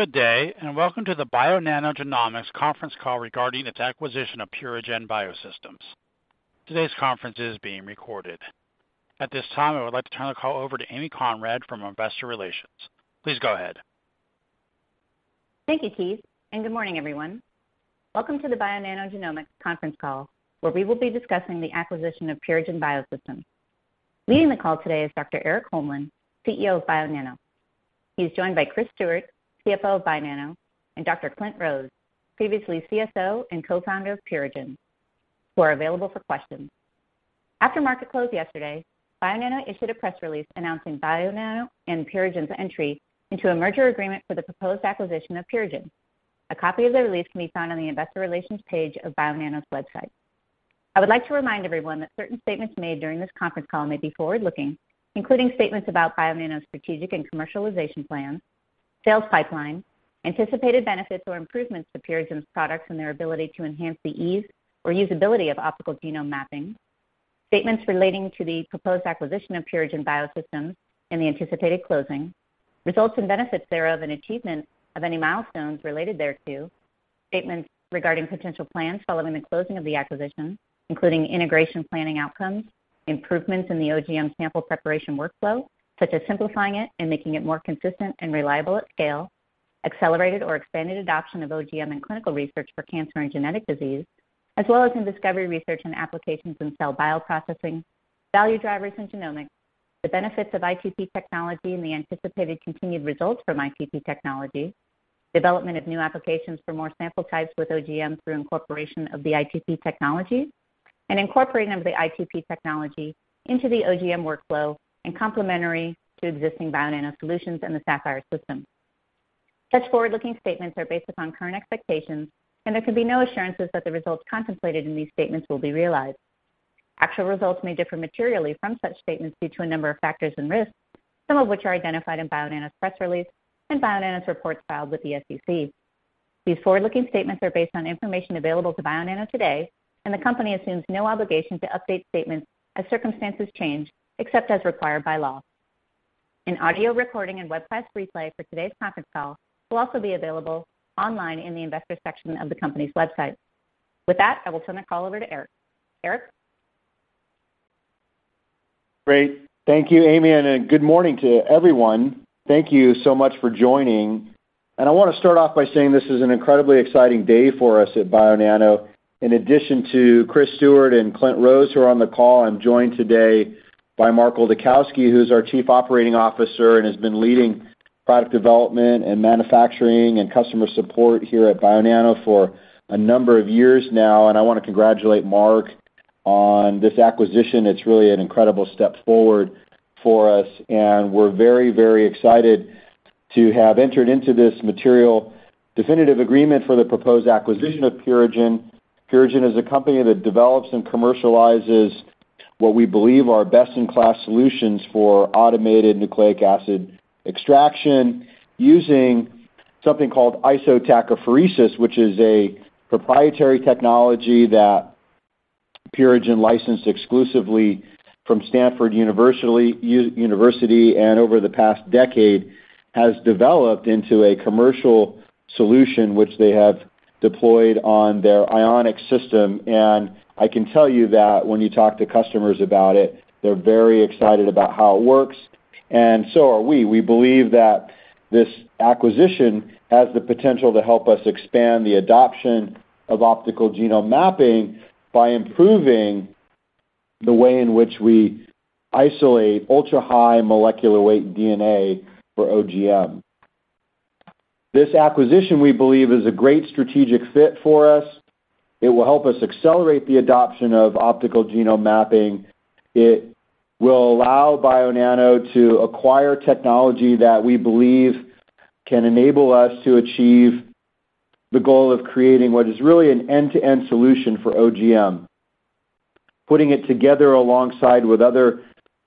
Good day, welcome to the Bionano Genomics conference call regarding its acquisition of Purigen Biosystems. Today's conference is being recorded. At this time, I would like to turn the call over to Amy Conrad from Investor Relations. Please go ahead. Thank you, Keith. Good morning, everyone. Welcome to the Bionano Genomics conference call, where we will be discussing the acquisition of Purigen Biosystems. Leading the call today is Dr. Erik Holmlin, CEO of Bionano. He's joined by Chris Stewart, CFO of Bionano, and Dr. Klint Rose, previously CSO and co-founder of Purigen, who are available for questions. After market close yesterday, Bionano issued a press release announcing Bionano and Purigen's entry into a merger agreement for the proposed acquisition of Purigen. A copy of the release can be found on the investor relations page of Bionano's website. I would like to remind everyone that certain statements made during this conference call may be forward-looking, including statements about Bionano's strategic and commercialization plans, sales pipeline, anticipated benefits or improvements to Purigen's products and their ability to enhance the ease or usability of optical genome mapping, statements relating to the proposed acquisition of Purigen Biosystems and the anticipated closing, results and benefits thereof, and achievement of any milestones related thereto, statements regarding potential plans following the closing of the acquisition, including integration planning outcomes, improvements in the OGM sample preparation workflow, such as simplifying it and making it more consistent and reliable at scale, accelerated or expanded adoption of OGM in clinical research for cancer and genetic disease. As well as in discovery research and applications in cell bioprocessing, value drivers in genomics, the benefits of ITP technology and the anticipated continued results from ITP technology, development of new applications for more sample types with OGM through incorporation of the ITP technology, and incorporating of the ITP technology into the OGM workflow and complementary to existing Bionano solutions in the Saphyr system. Such forward-looking statements are based upon current expectations, and there can be no assurances that the results contemplated in these statements will be realized. Actual results may differ materially from such statements due to a number of factors and risks, some of which are identified in Bionano's press release and Bionano's reports filed with the SEC. These forward-looking statements are based on information available to Bionano today, and the company assumes no obligation to update statements as circumstances change, except as required by law. An audio recording and webcast replay for today's conference call will also be available online in the investors section of the company's website. With that, I will turn the call over to Erik. Erik? Great. Thank you, Amy, good morning to everyone. Thank you so much for joining. I want to start off by saying this is an incredibly exciting day for us at Bionano. In addition to Chris Stewart and Klint Rose, who are on the call, I'm joined today by Mark Oldakowski, who's our Chief Operating Officer and has been leading product development and manufacturing and customer support here at Bionano for a number of years now. I want to congratulate Mark on this acquisition. It's really an incredible step forward for us, and we're very, very excited to have entered into this material definitive agreement for the proposed acquisition of Purigen. Purigen is a company that develops and commercializes what we believe are best-in-class solutions for automated nucleic acid extraction using something called isotachophoresis, which is a proprietary technology that Purigen licensed exclusively from Stanford University, and over the past decade has developed into a commercial solution which they have deployed on their Ionic system. I can tell you that when you talk to customers about it, they're very excited about how it works, so are we. We believe that this acquisition has the potential to help us expand the adoption of optical genome mapping by improving the way in which we isolate ultra-high molecular weight DNA for OGM. This acquisition, we believe, is a great strategic fit for us. It will help us accelerate the adoption of optical genome mapping. It will allow Bionano to acquire technology that we believe can enable us to achieve the goal of creating what is really an end-to-end solution for OGM, putting it together alongside with other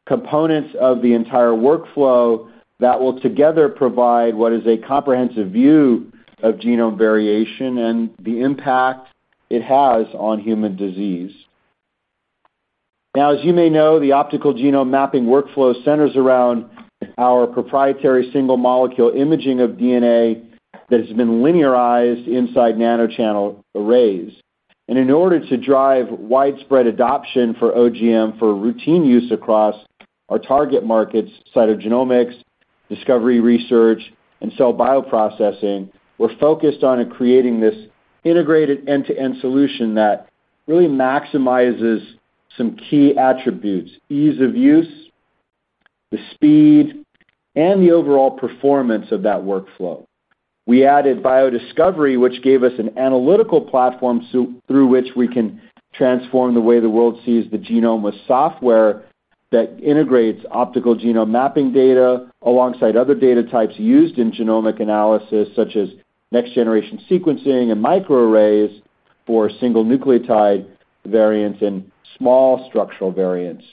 components of the entire workflow that will together provide what is a comprehensive view of genome variation and the impact it has on human disease. As you may know, the optical genome mapping workflow centers around our proprietary single-molecule imaging of DNA that has been linearized inside nanochannel arrays. In order to drive widespread adoption for OGM for routine use across our target markets, cytogenomics, discovery research, and cell bioprocessing, we're focused on creating this integrated end-to-end solution that really maximizes some key attributes, ease of use, the speed, and the overall performance of that workflow. We added BioDiscovery, which gave us an analytical platform through which we can transform the way the world sees the genome with software that integrates optical genome mapping data alongside other data types used in genomic analysis, such as next-generation sequencing and microarrays for single nucleotide variants and small structural variants.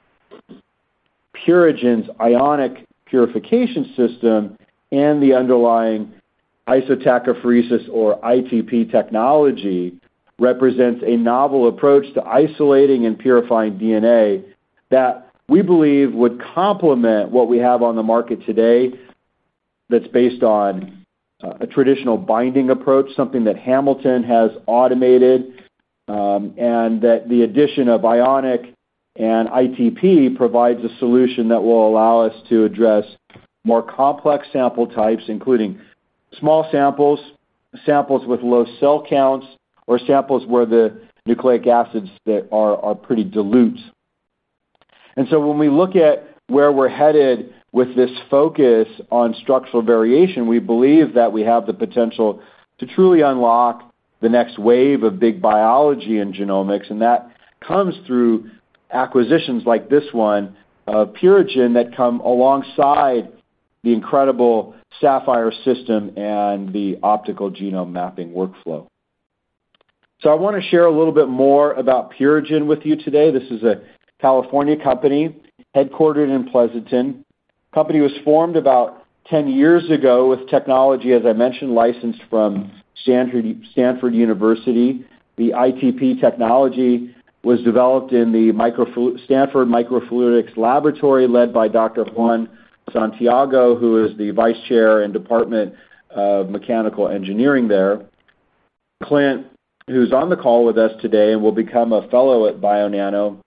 Purigen's Ionic purification system and the underlying isotachophoresis or ITP technology represents a novel approach to isolating and purifying DNA, that we believe would complement what we have on the market today that's based on a traditional binding approach, something that Hamilton has automated, and that the addition of Ionic and ITP provides a solution that will allow us to address more complex sample types, including small samples with low cell counts, or samples where the nucleic acids that are pretty dilute. When we look at where we're headed with this focus on structural variation, we believe that we have the potential to truly unlock the next wave of big biology in genomics, and that comes through acquisitions like this one, of Purigen, that come alongside the incredible Saphyr system and the optical genome mapping workflow. I want to share a little bit more about Purigen with you today. This is a California company headquartered in Pleasanton. Company was formed about 10 years ago with technology, as I mentioned, licensed from Stanford University. The ITP technology was developed in the Stanford Microfluidics Laboratory led by Dr. Juan Santiago, who is the vice chair in Department of Mechanical Engineering there. Klint, who's on the call with us today and will become a fellow at Bionano,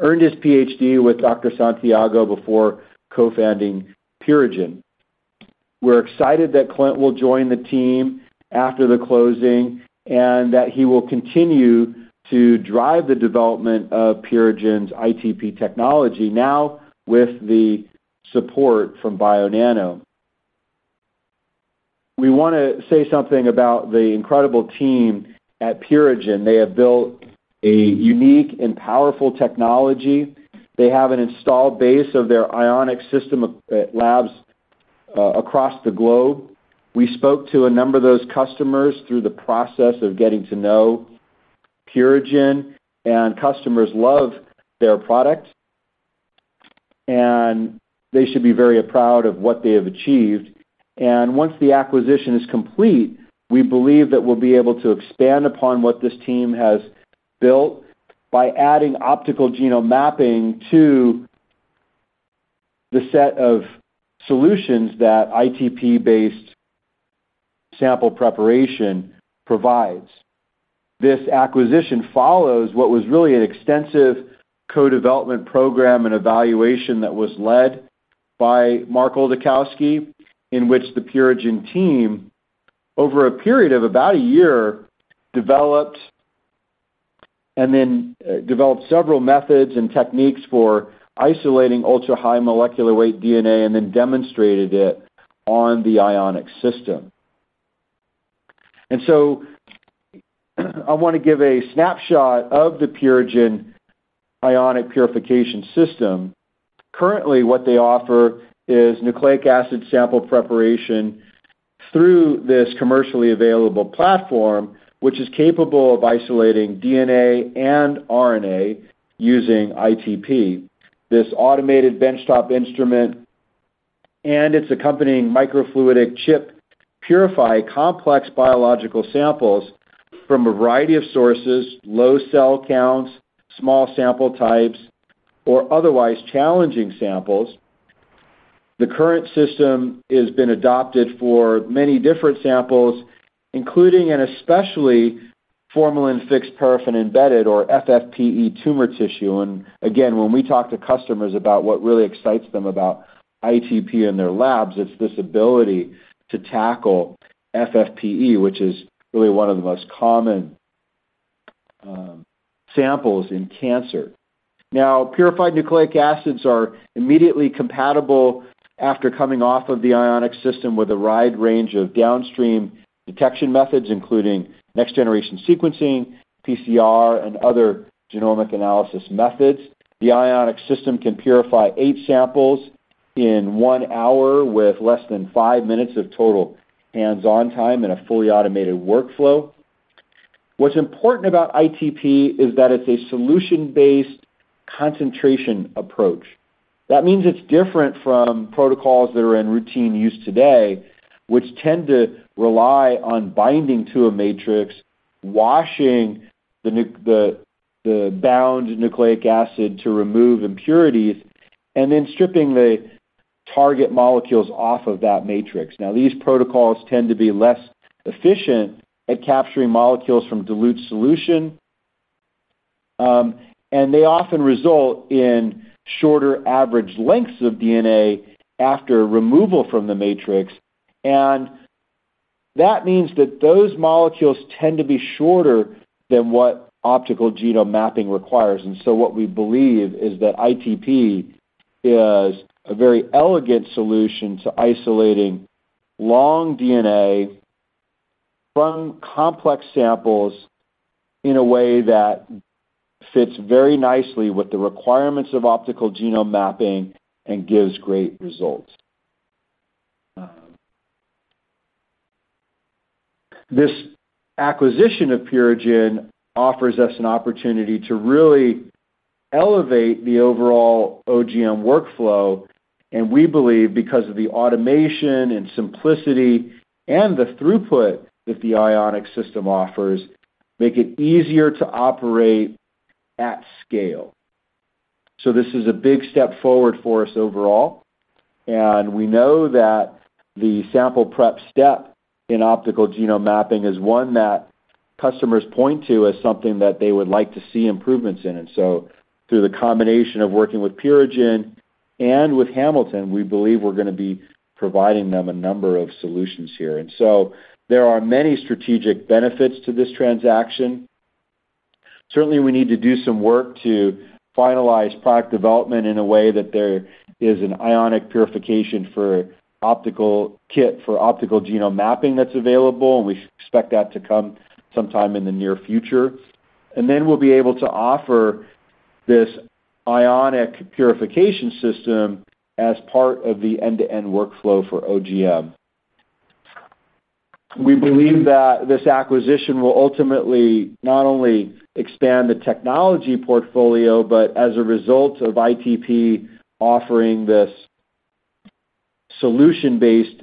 earned his PhD with Dr. Santiago before co-founding Purigen. We're excited that Klint will join the team after the closing, that he will continue to drive the development of Purigen's ITP technology now with the support from Bionano. We want to say something about the incredible team at Purigen. They have built a unique and powerful technology. They have an installed base of their Ionic system of labs across the globe. We spoke to a number of those customers through the process of getting to know Purigen, customers love their product, they should be very proud of what they have achieved. Once the acquisition is complete, we believe that we'll be able to expand upon what this team has built by adding optical genome mapping to the set of solutions that ITP-based sample preparation provides. This acquisition follows what was really an extensive co-development program and evaluation that was led by Mark Oldakowski, in which the Purigen team, over a period of about a year, developed several methods and techniques for isolating ultra-high molecular weight DNA and then demonstrated it on the Ionic system. I want to give a snapshot of the Purigen Ionic purification system. Currently, what they offer is nucleic acid sample preparation through this commercially available platform, which is capable of isolating DNA and RNA using ITP. This automated benchtop instrument and its accompanying microfluidic chip purify complex biological samples from a variety of sources, low cell counts, small sample types, or otherwise challenging samples. The current system has been adopted for many different samples, including and especially formalin-fixed, paraffin-embedded, or FFPE tumor tissue. Again, when we talk to customers about what really excites them about ITP in their labs, it's this ability to tackle FFPE, which is really one of the most common samples in cancer. Purified nucleic acids are immediately compatible after coming off of the Ionic system with a wide range of downstream detection methods, including next-generation sequencing, PCR, and other genomic analysis methods. The Ionic system can purify eight samples in one hour with less than five minutes of total hands-on time in a fully automated workflow. What's important about ITP is that it's a solution-based concentration approach. That means it's different from protocols that are in routine use today, which tend to rely on binding to a matrix, washing the bound nucleic acid to remove impurities, and then stripping the target molecules off of that matrix. These protocols tend to be less efficient at capturing molecules from dilute solution, and they often result in shorter average lengths of DNA after removal from the matrix. That means that those molecules tend to be shorter than what optical genome mapping requires. What we believe is that ITP is a very elegant solution to isolating long DNA from complex samples in a way that fits very nicely with the requirements of optical genome mapping and gives great results. This acquisition of Purigen offers us an opportunity to really elevate the overall OGM workflow. We believe because of the automation and simplicity and the throughput that the Ionic system offers make it easier to operate at scale. This is a big step forward for us overall, and we know that the sample prep step in optical genome mapping is one that customers point to as something that they would like to see improvements in. Through the combination of working with Purigen and with Hamilton, we believe we're gonna be providing them a number of solutions here. There are many strategic benefits to this transaction. Certainly, we need to do some work to finalize product development in a way that there is an Ionic purification for optical kit, for optical genome mapping that's available, and we expect that to come sometime in the near future. Then we'll be able to offer this Ionic purification system as part of the end-to-end workflow for OGM. We believe that this acquisition will ultimately not only expand the technology portfolio, but as a result of ITP offering this solution-based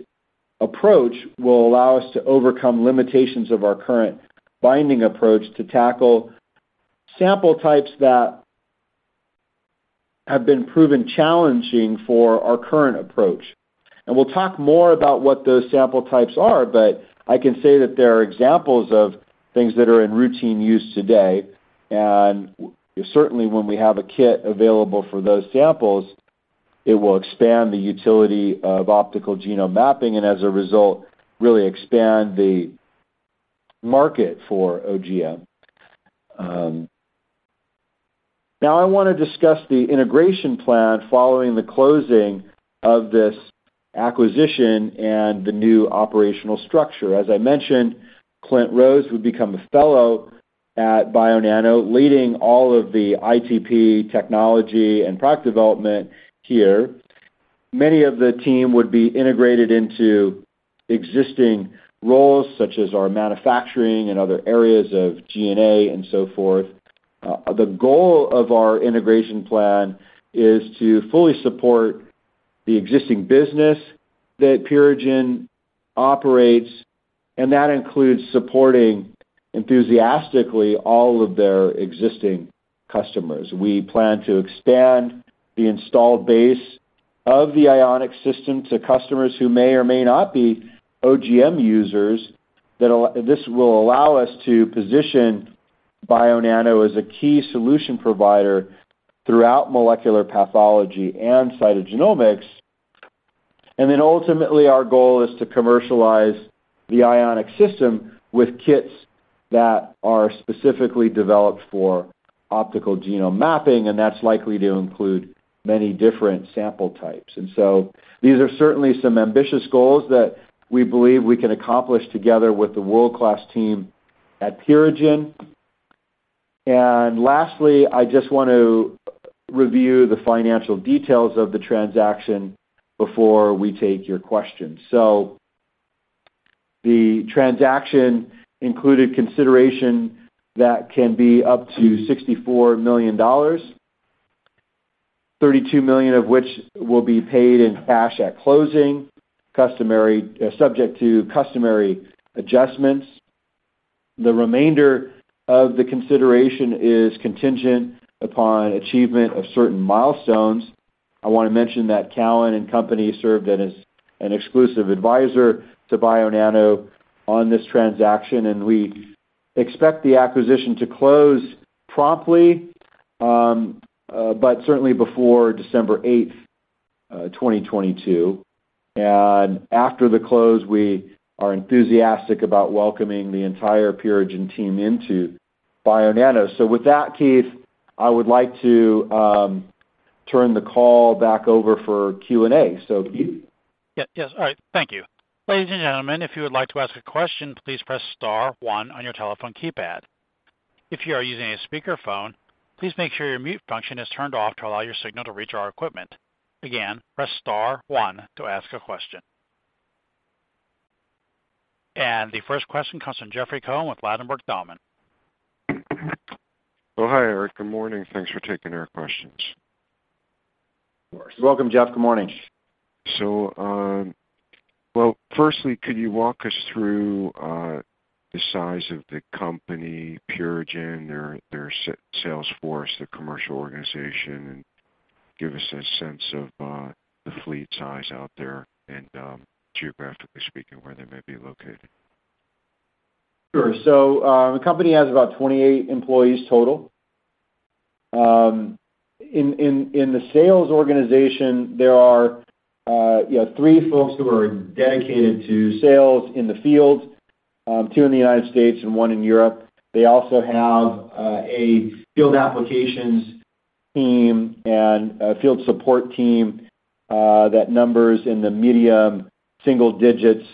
approach, will allow us to overcome limitations of our current binding approach to tackle sample types that have been proven challenging for our current approach. We'll talk more about what those sample types are, but I can say that there are examples of things that are in routine use today, and certainly, when we have a kit available for those samples, it will expand the utility of optical genome mapping and as a result, really expand the market for OGM. Now I wanna discuss the integration plan following the closing of this acquisition and the new operational structure. As I mentioned, Klint Rose would become a fellow at Bionano, leading all of the ITP technology and product development here. Many of the team would be integrated into existing roles, such as our manufacturing and other areas of G&A, and so forth. The goal of our integration plan is to fully support the existing business that Purigen operates, that includes supporting enthusiastically all of their existing customers. We plan to expand the installed base of the Ionic system to customers who may or may not be OGM users. This will allow us to position Bionano as a key solution provider throughout molecular pathology and cytogenomics. Ultimately, our goal is to commercialize the Ionic system with kits that are specifically developed for optical genome mapping, that's likely to include many different sample types. These are certainly some ambitious goals that we believe we can accomplish together with the world-class team at Purigen. Lastly, I just want to review the financial details of the transaction before we take your questions. The transaction included consideration that can be up to $64 million, $32 million of which will be paid in cash at closing, subject to customary adjustments. The remainder of the consideration is contingent upon achievement of certain milestones. I want to mention that Cowen and Company served as an exclusive advisor to Bionano on this transaction, and we expect the acquisition to close promptly, but certainly before December 8, 2022. After the close, we are enthusiastic about welcoming the entire Purigen team into Bionano. With that, Keith, I would like to turn the call back over for Q&A. Keith? Yeah. Yes. All right. Thank you. Ladies and gentlemen, if you would like to ask a question, please press star one on your telephone keypad. If you are using a speakerphone, please make sure your mute function is turned off to allow your signal to reach our equipment. Again, press star one to ask a question. The first question comes from Jeffrey Cohen with Ladenburg Thalmann. Oh, hi, Erik. Good morning. Thanks for taking our questions. Of course. Welcome, Jeff. Good morning. Well, firstly, could you walk us through the size of the company, Purigen, their salesforce, their commercial organization, and give us a sense of the fleet size out there and geographically speaking, where they may be located? Sure. The company has about 28 employees total. In the sales organization, there are, you know, three folks who are dedicated to sales in the field, two in the United States and one in Europe. They also have a field applications team and a field support team that numbers in the medium single digits.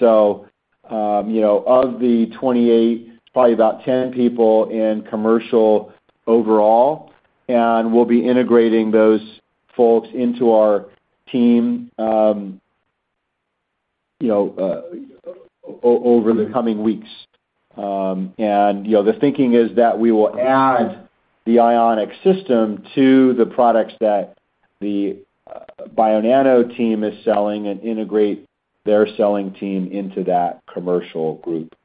Of the 28, you know, probably about 10 people in commercial overall, and we'll be integrating those folks into our team. You know, over the coming weeks. You know, the thinking is that we will add the Ionic system to the products that the Bionano team is selling and integrate their selling team into that commercial group.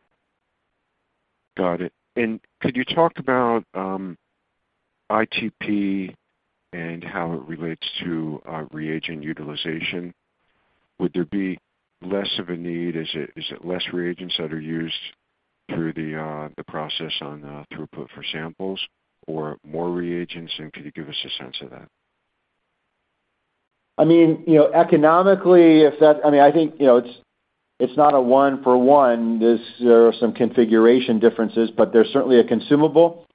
Got it. Could you talk about ITP and how it relates to reagent utilization? Would there be less of a need? Is it less reagents that are used through the process on throughput for samples or more reagents, and could you give us a sense of that? I mean, you know, economically, if that's, I mean, I think, you know, it's not a one for one. There are some configuration differences, but there's certainly a consumable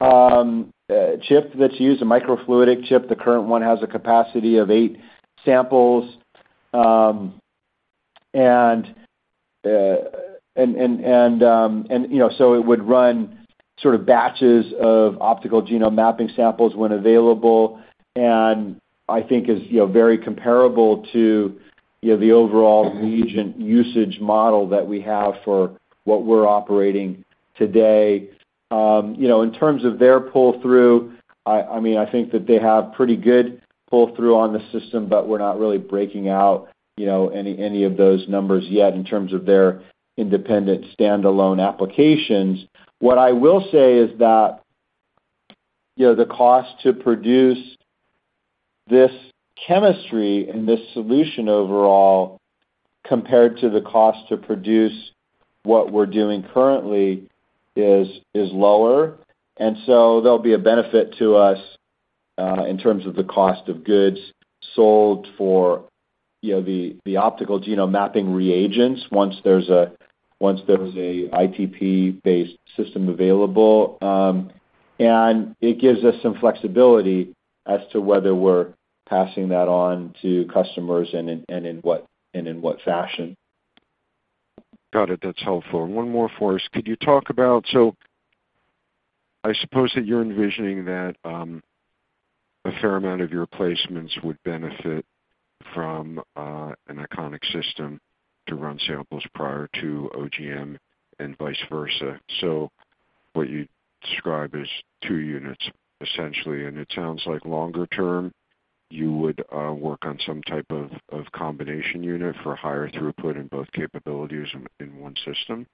chip that's used, a microfluidic chip. The current one has a capacity of eight samples. It would run sort of batches of optical genome mapping samples when available, and I think is, you know, very comparable to, you know, the overall reagent usage model that we have for what we're operating today. You know, in terms of their pull-through, I mean, I think that they have pretty good pull-through on the system, but we're not really breaking out any of those numbers yet in terms of their independent standalone applications. What I will say is that, you know, the cost to produce this chemistry and this solution overall, compared to the cost to produce what we're doing currently is lower. There'll be a benefit to us in terms of the cost of goods sold for, you know, the optical genome mapping reagents once there's an ITP-based system available. It gives us some flexibility as to whether we're passing that on to customers and in what fashion. Got it. That's helpful. One more for us. Could you talk about, I suppose that you're envisioning that a fair amount of your placements would benefit from an Ionic system to run samples prior to OGM and vice versa. What you describe is two units, essentially, and it sounds like longer term, you would work on some type of combination unit for higher throughput in both capabilities in one system.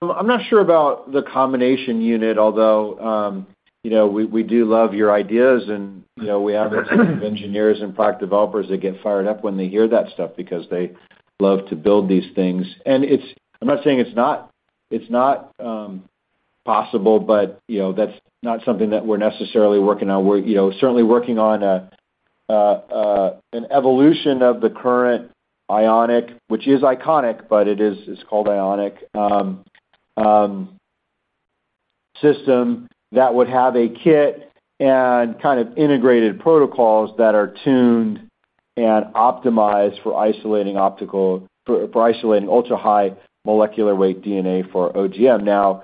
I'm not sure about the combination unit, although, you know, we do love your ideas, and, you know, we have a team of engineers and product developers that get fired up when they hear that stuff because they love to build these things. I'm not saying it's not possible, but, you know, that's not something that we're necessarily working on. We're, you know, certainly working on an evolution of the current Ionic, which is iconic, but it is, it's called Ionic system that would have a kit and kind of integrated protocols that are tuned and optimized for isolating ultra-high molecular weight DNA for OGM.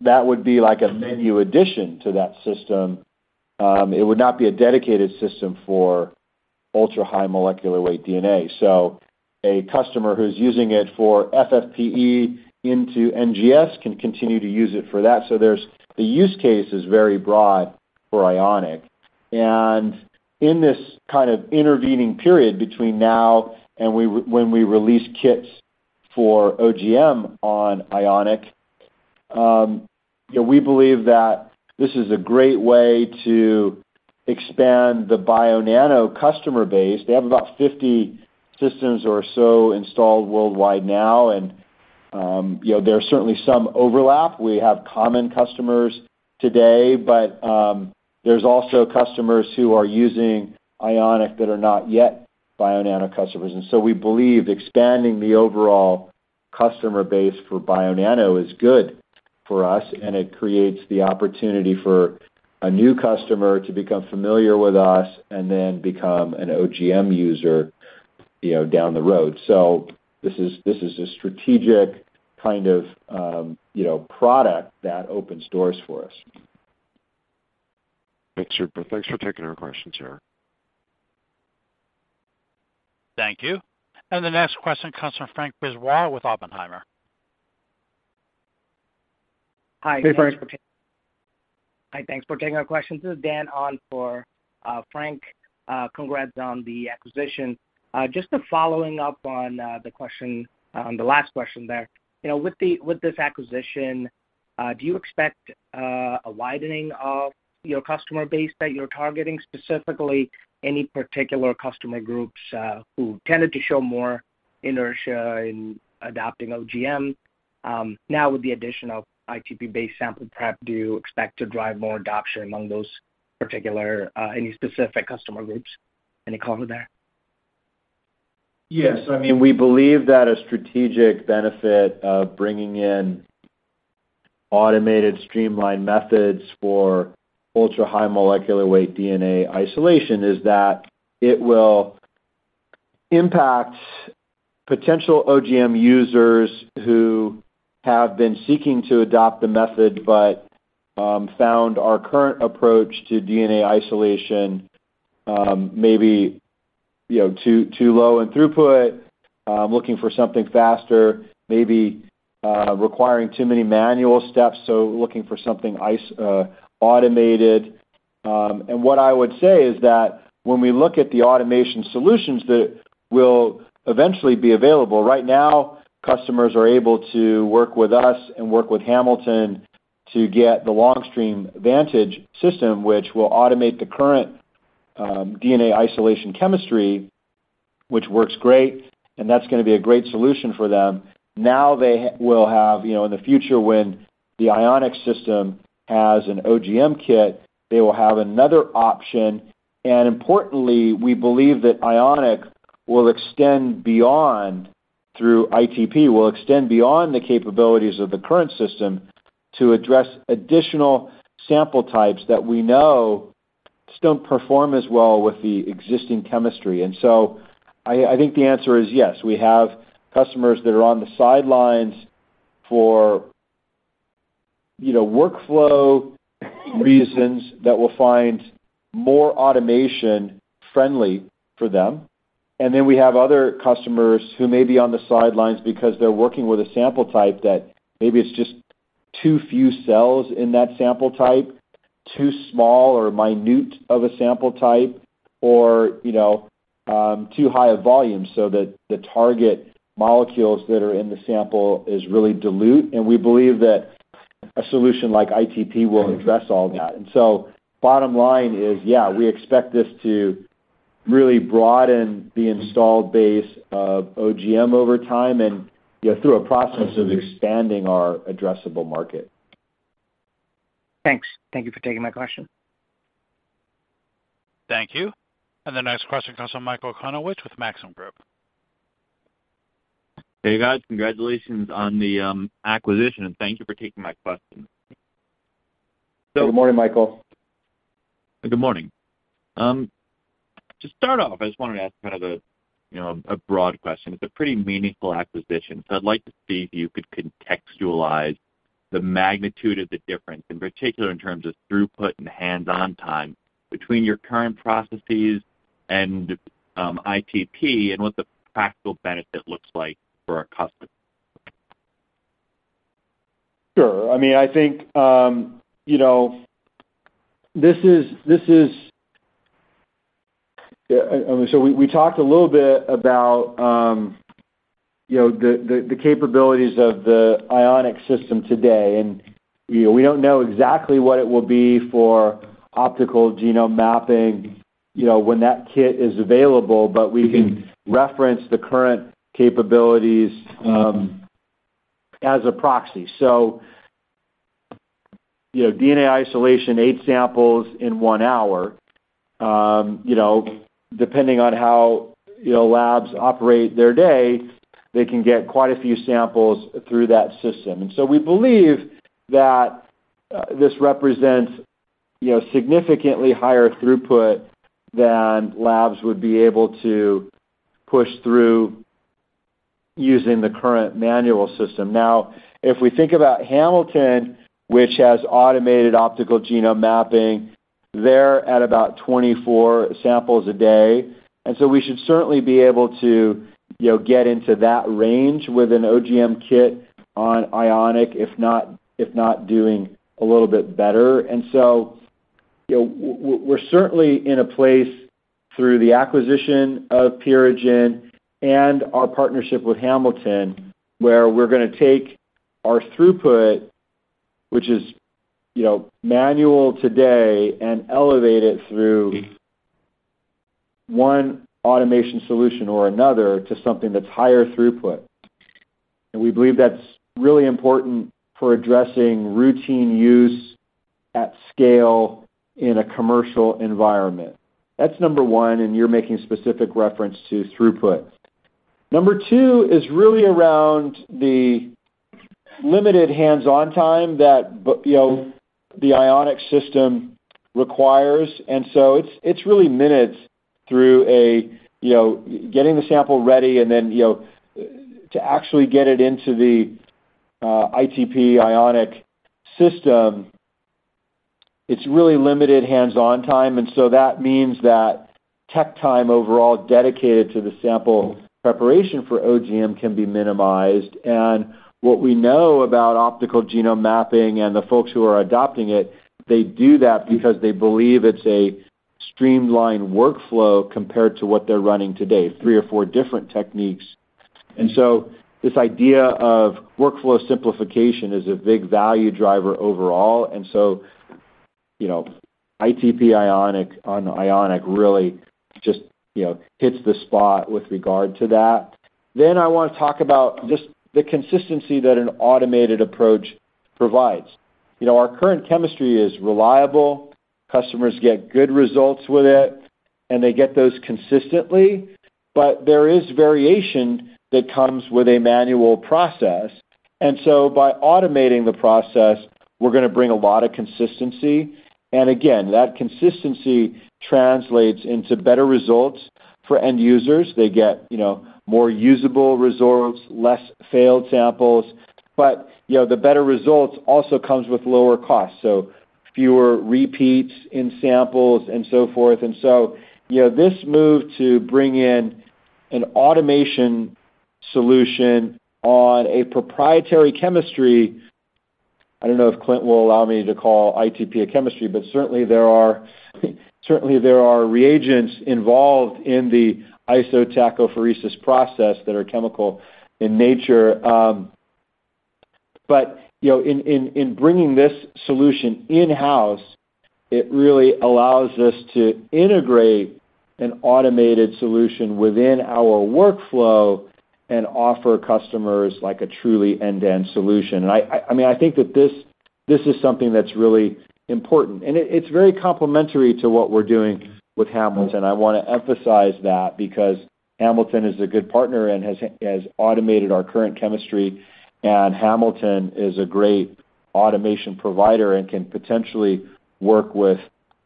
That would be like a menu addition to that system. It would not be a dedicated system for ultra-high molecular weight DNA. A customer who's using it for FFPE into NGS can continue to use it for that. There's the use case is very broad for Ionic. In this kind of intervening period between now and when we release kits for OGM on Ionic, you know, we believe that this is a great way to expand the Bionano customer base. They have about 50 systems or so installed worldwide now and, you know, there's certainly some overlap. We have common customers today, but there's also customers who are using Ionic that are not yet Bionano customers. We believe expanding the overall customer base for Bionano is good for us, and it creates the opportunity for a new customer to become familiar with us and then become an OGM user, you know, down the road. This is a strategic kind of, you know, product that opens doors for us. That's super. Thanks for taking our questions, Erik. Thank you. The next question comes from François Brisebois with Oppenheimer. Hey, Frank. Hi, thanks for taking our question. This is Dan on for Frank. Congrats on the acquisition. Just following up on the question, the last question there. You know, with this acquisition, do you expect a widening of your customer base that you're targeting? Specifically, any particular customer groups who tended to show more inertia in adopting OGM. Now with the addition of ITP-based sample prep, do you expect to drive more adoption among those particular any specific customer groups? Any comment there? Yes. I mean, we believe that a strategic benefit of bringing in automated streamlined methods for ultra-high molecular weight DNA isolation is that it will impact potential OGM users who have been seeking to adopt the method, but found our current approach to DNA isolation, you know, too low in throughput, looking for something faster, maybe requiring too many manual steps, so looking for something automated. What I would say is that when we look at the automation solutions that will eventually be available, right now, customers are able to work with us and work with Hamilton to get the Longstream Vantage system, which will automate the current DNA isolation chemistry, which works great, and that's gonna be a great solution for them. Now they will have, you know, in the future, when the Ionic system has an OGM kit, they will have another option. Importantly, we believe that Ionic will extend beyond, through ITP, will extend beyond the capabilities of the current system to address additional sample types that we know just don't perform as well with the existing chemistry. I think the answer is yes. We have customers that are on the sidelines for, you know, workflow reasons that will find more automation friendly for them. We have other customers who may be on the sidelines because they're working with a sample type that maybe it's just too few cells in that sample type, too small or minute of a sample type or, you know, too high a volume so that the target molecules that are in the sample is really dilute, and we believe that a solution like ITP will address all that. Bottom line is, yeah, we expect this to really broaden the installed base of OGM over time, and, you know, through a process of expanding our addressable market. Thanks. Thank you for taking my question. Thank you. The next question comes from Michael Okunewitch with Maxim Group. Hey, guys. Congratulations on the acquisition. Thank you for taking my question. Good morning, Michael. Good morning. to start off, I just wanted to ask kind of a, you know, a broad question. It's a pretty meaningful acquisition, I'd like to see if you could contextualize the magnitude of the difference, in particular in terms of throughput and hands-on time between your current processes and ITP and what the practical benefit looks like for a customer. Sure. I mean, I think, you know, we talked a little bit about, you know, the capabilities of the Ionic system today. You know, we don't know exactly what it will be for optical genome mapping, you know, when that kit is available, but we can reference the current capabilities as a proxy. You know, DNA isolation, eight samples in one hour, you know, depending on how, you know, labs operate their day, they can get quite a few samples through that system. We believe that this represents, you know, significantly higher throughput than labs would be able to push through using the current manual system. If we think about Hamilton Company, which has automated optical genome mapping, they're at about 24 samples a day, we should certainly be able to, you know, get into that range with an OGM kit on Ionic, if not doing a little bit better. You know, we're certainly in a place through the acquisition of Purigen Biosystems and our partnership with Hamilton Company, where we're gonna take our throughput, which is, you know, manual today and elevate it through one automation solution or another to something that's higher throughput. We believe that's really important for addressing routine use at scale in a commercial environment. That's number one, you're making specific reference to throughput. Number two is really around the limited hands-on time that, you know, the Ionic system requires. It's really minutes through a, you know, getting the sample ready and then, you know, to actually get it into the ITP Ionic system, it's really limited hands-on time, and so that means that tech time overall dedicated to the sample preparation for OGM can be minimized. What we know about optical genome mapping and the folks who are adopting it, they do that because they believe it's a streamlined workflow compared to what they're running today, three or four different techniques. This idea of workflow simplification is a big value driver overall. You know, ITP Ionic on Ionic really just, you know, hits the spot with regard to that. I wanna talk about just the consistency that an automated approach provides. You know, our current chemistry is reliable. Customers get good results with it, and they get those consistently. There is variation that comes with a manual process. By automating the process, we're gonna bring a lot of consistency. Again, that consistency translates into better results for end users. They get, you know, more usable results, less failed samples. You know, the better results also comes with lower costs, so fewer repeats in samples and so forth. You know, this move to bring in an automation solution on a proprietary chemistry, I don't know if Klint will allow me to call ITP a chemistry, but certainly there are reagents involved in the isotachophoresis process that are chemical in nature. But, you know, in bringing this solution in-house, it really allows us to integrate an automated solution within our workflow and offer customers like a truly end-to-end solution. I mean, I think that this is something that's really important, and it's very complementary to what we're doing with Hamilton. I wanna emphasize that because Hamilton is a good partner and has automated our current chemistry, and Hamilton is a great automation provider and can potentially work with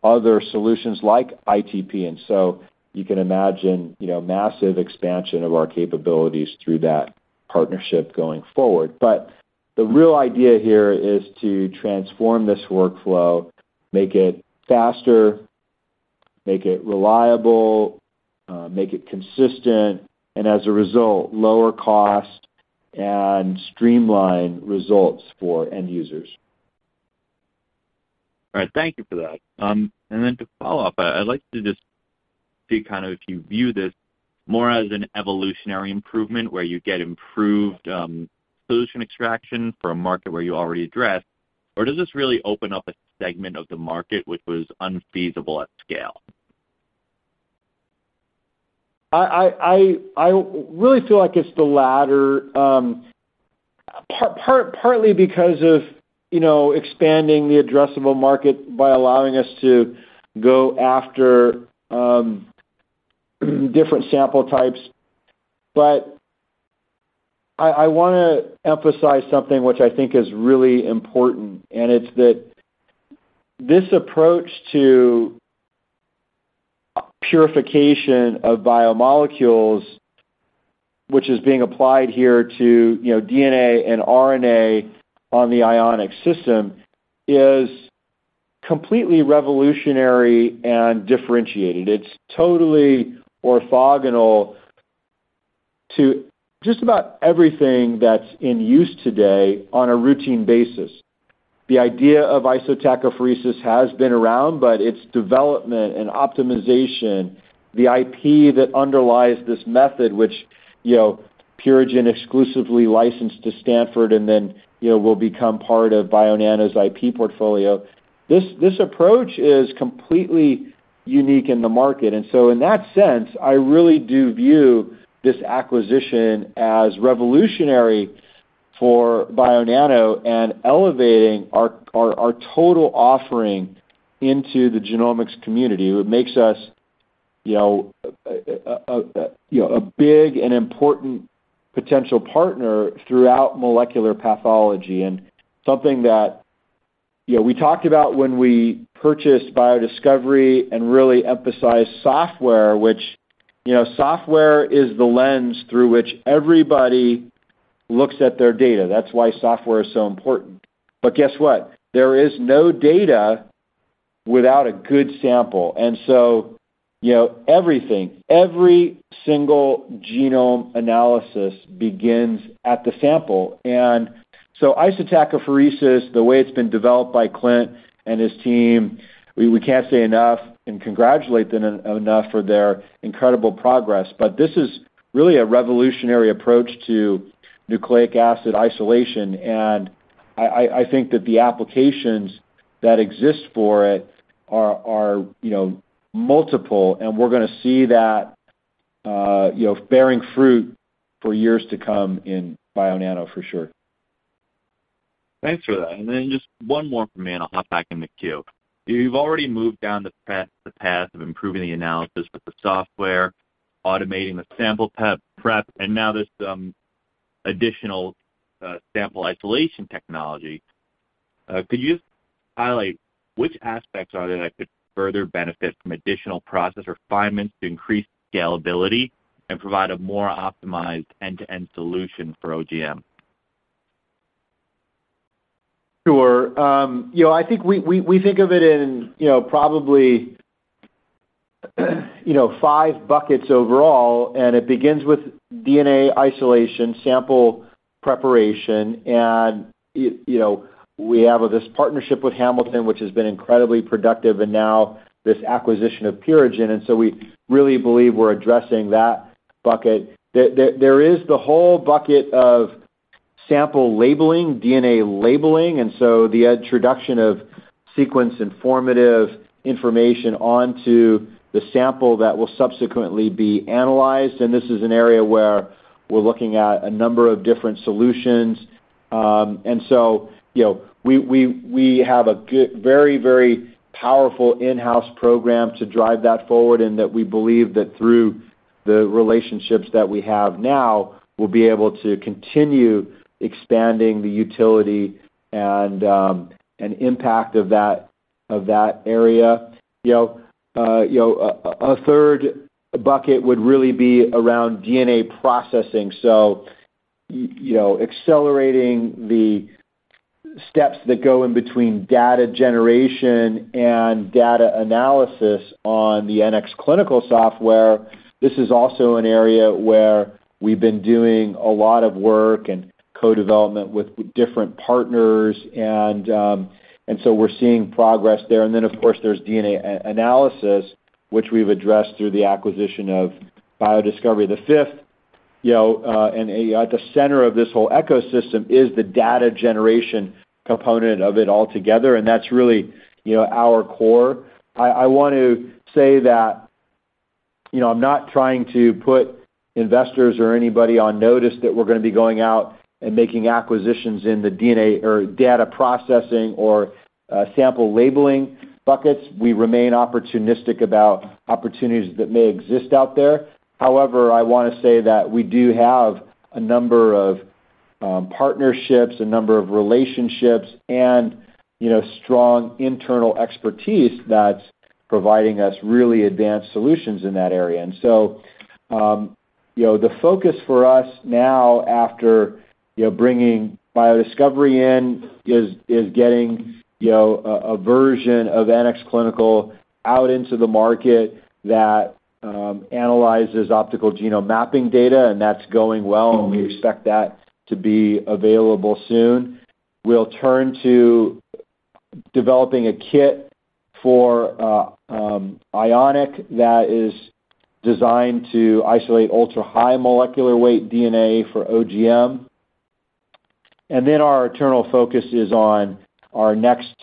other solutions like ITP. You can imagine, you know, massive expansion of our capabilities through that partnership going forward. The real idea here is to transform this workflow, make it faster, make it reliable, make it consistent, and as a result, lower cost and streamline results for end users. All right. Thank you for that. To follow up, I'd like to just see kind of if you view this more as an evolutionary improvement where you get improved, solution extraction for a market where you already address, or does this really open up a segment of the market which was unfeasible at scale? I really feel like it's the latter, partly because of, you know, expanding the addressable market by allowing us to go after, different sample types. I wanna emphasize something which I think is really important, and it's that this approach to purification of biomolecules, which is being applied here to, you know, DNA and RNA on the Ionic system, is completely revolutionary and differentiated. It's totally orthogonal to just about everything that's in use today on a routine basis. The idea of isotachophoresis has been around, its development and optimization, the IP that underlies this method, which, you know, Purigen exclusively licensed to Stanford and then, you know, will become part of Bionano's IP portfolio, this approach is completely unique in the market. In that sense, I really do view this acquisition as revolutionary for Bionano and elevating our total offering into the genomics community. It makes us, you know, a, you know, a big and important potential partner throughout molecular pathology. Something that, you know, we talked about when we purchased BioDiscovery and really emphasized software, which, you know, software is the lens through which everybody looks at their data. That's why software is so important. But guess what? There is no data without a good sample. You know, everything, every single genome analysis begins at the sample. Isotachophoresis, the way it's been developed by Klint and his team, we can't say enough and congratulate them enough for their incredible progress, but this is really a revolutionary approach to nucleic acid isolation. I think that the applications that exist for it are, you know, multiple, and we're gonna see that, you know, bearing fruit for years to come in Bionano for sure. Thanks for that. Just one more from me, and I'll hop back in the queue. You've already moved down the path of improving the analysis with the software, automating the sample prep, and now this additional sample isolation technology. Could you highlight which aspects are there that could further benefit from additional process refinements to increase scalability and provide a more optimized end-to-end solution for OGM? Sure. You know, I think we think of it in, you know, probably, you know, five buckets overall, and it begins with DNA isolation, sample preparation. We have this partnership with Hamilton, which has been incredibly productive, and now this acquisition of Purigen. We really believe we're addressing that bucket. There is the whole bucket of sample labeling, DNA labeling, and so the introduction of sequence informative information onto the sample that will subsequently be analyzed. You know, we have a good, very, very powerful in-house program to drive that forward, and that we believe that through the relationships that we have now will be able to continue expanding the utility and impact of that, of that area. You know, you know, a third bucket would really be around DNA processing. You know, accelerating the steps that go in between data generation and data analysis on the NₓClinical software. This is also an area where we've been doing a lot of work and co-development with different partners and so we're seeing progress there. Of course, there's DNA analysis, which we've addressed through the acquisition of BioDiscovery. The fifth, you know, at the center of this whole ecosystem is the data generation component of it all together, and that's really, you know, our core. I want to say that, you know, I'm not trying to put investors or anybody on notice that we're gonna be going out and making acquisitions in the DNA or data processing or sample labeling buckets. We remain opportunistic about opportunities that may exist out there. However, I wanna say that we do have a number of partnerships, a number of relationships, you know, strong internal expertise that's providing us really advanced solutions in that area. You know, the focus for us now after, you know, bringing BioDiscovery in is getting, you know, a version of NₓClinical out into the market that analyzes optical genome mapping data, that's going well, and we expect that to be available soon. We'll turn to developing a kit for Ionic that is designed to isolate ultra-high molecular weight DNA for OGM. Our internal focus is on our next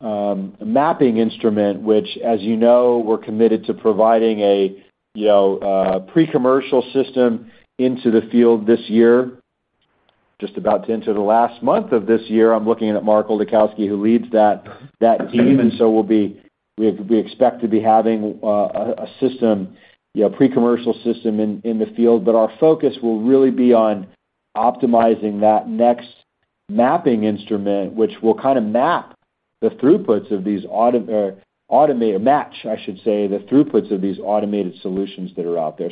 mapping instrument, which, as you know, we're committed to providing a, you know, a pre-commercial system into the field this year, just about to enter the last month of this year. I'm looking at Mark Oldakowski, who leads that team. We expect to be having a system, you know, pre-commercial system in the field. Our focus will really be on optimizing that next mapping instrument, which will kinda match, I should say, the throughputs of these automated solutions that are out there.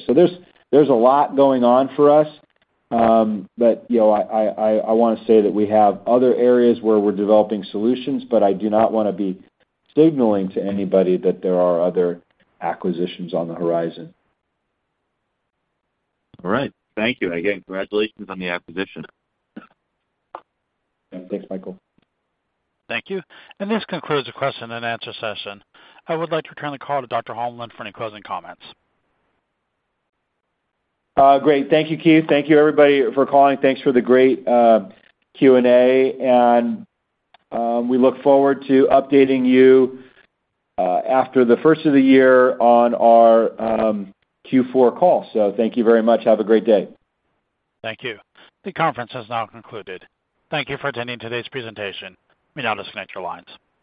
There's a lot going on for us. You know, I wanna say that we have other areas where we're developing solutions, but I do not wanna be signaling to anybody that there are other acquisitions on the horizon. All right. Thank you. Again, congratulations on the acquisition. Yeah. Thanks, Michael. Thank you. This concludes the question and answer session. I would like to return the call to Dr. Holmlin for any closing comments. Great. Thank you, Keith. Thank you, everybody, for calling. Thanks for the great Q&A. We look forward to updating you after the first of the year on our Q4 call. Thank you very much. Have a great day. Thank you. The conference has now concluded. Thank you for attending today's presentation. You may now disconnect your lines.